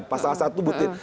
pasal satu butir